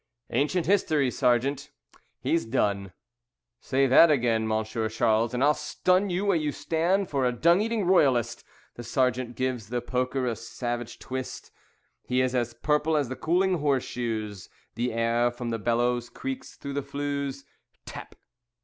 "Ancient history, Sergeant. He's done." "Say that again, Monsieur Charles, and I'll stun You where you stand for a dung eating Royalist." The Sergeant gives the poker a savage twist; He is as purple as the cooling horseshoes. The air from the bellows creaks through the flues. Tap!